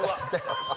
ハハハハ！